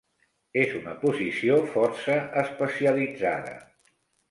És una posició força especialitzada.